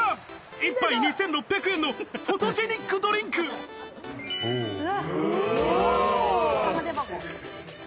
一杯２６００円のフォトジェニックドリンク！終了！